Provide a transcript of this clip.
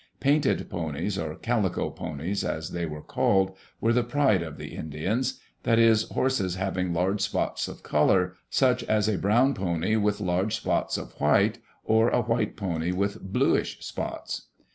Painted ponies, or calico ponies as they were called, were the pride of the Indians; that is, horses hav ing large spots of color, such as a brown pony with large spots of white, or a white pony with bluish spots.